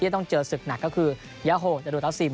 ที่จะต้องเจอศึกหนักก็คือยาโหจรุดเตาสิม